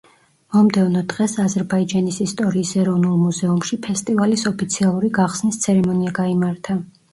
მომდევნო დღეს აზერბაიჯანის ისტორიის ეროვნულ მუზეუმში ფესტივალის ოფიციალური გახსნის ცერემონია გაიმართა.